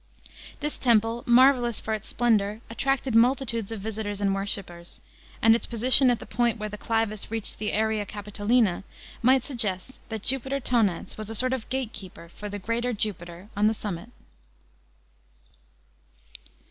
This temple, marvellous for itz splendour, attracted muliitudes of visitors and worshippers, and its position at the point where ihe Clivus reached the Area Capitolina might suggest that Jupiter Tonans was a sort of gate keeper for the greater Jupiter on the summit.